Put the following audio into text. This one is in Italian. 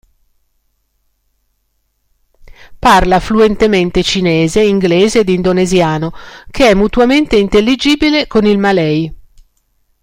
Parla fluentemente cinese, inglese ed indonesiano, che è mutuamente intelligibile con il malay.